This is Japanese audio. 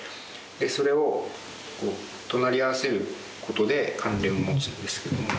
それを隣り合わせることで関連を持つんですけれども。